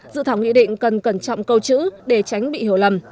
dự thảo nghị định cần cẩn trọng câu chữ để tránh bị hiểu lầm